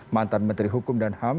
mantan menteri hukum dan ham